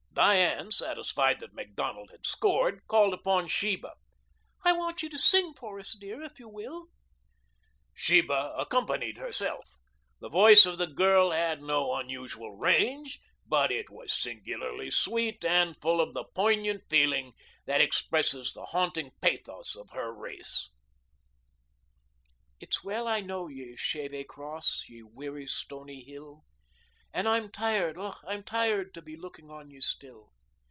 Diane, satisfied that Macdonald had scored, called upon Sheba. "I want you to sing for us, dear, if you will." Sheba accompanied herself. The voice of the girl had no unusual range, but it was singularly sweet and full of the poignant feeling that expresses the haunting pathos of her race. "It's well I know ye, Shevè Cross, ye weary, stony hill, An' I'm tired, och, I'm tired to be looking on ye still.